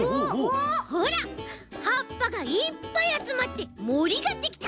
ほらはっぱがいっぱいあつまってもりができた！